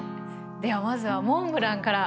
ではまずはモンブランから。